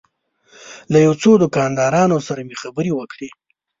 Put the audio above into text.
له یو څو دوکاندارانو سره مې خبرې وکړې.